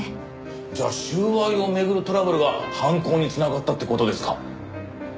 じゃあ収賄を巡るトラブルが犯行に繋がったって事ですか？